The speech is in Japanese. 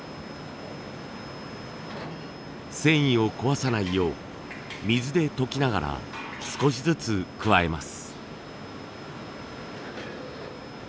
繊維を壊さないよう水で溶きながら少しずつ加えます。